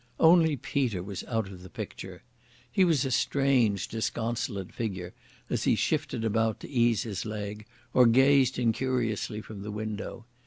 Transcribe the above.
Only Peter was out of the picture. He was a strange, disconsolate figure, as he shifted about to ease his leg, or gazed incuriously from the window.